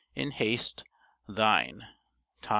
In haste, thine, THOS.